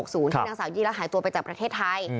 ที่นางสาวยี่รักหายตัวไปจากประเทศไทย